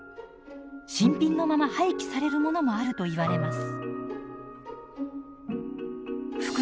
新品のまま廃棄されるものもあるといわれます。